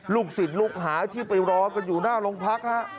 ลูกศิษย์ลูกหาที่ไปรออยู่หน้าลงพักษณ์